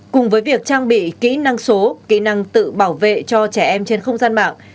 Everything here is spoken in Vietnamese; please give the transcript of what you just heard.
cùng với việc trang bị kỹ năng số kỹ năng tự bảo vệ cho trẻ em trên không gian mạng